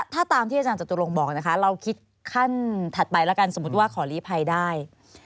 ถ้าตามที่อาจารย์จตุรงค์บอกนะคะเราคิดขั้นถัดไปแล้วกันสมมุติว่าขอลีภัยได้